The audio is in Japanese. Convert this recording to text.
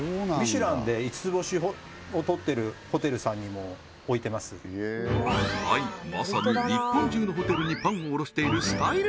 はいはいまさに日本中のホテルにパンを卸しているスタイル